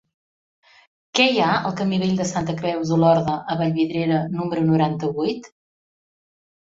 Què hi ha al camí Vell de Santa Creu d'Olorda a Vallvidrera número noranta-vuit?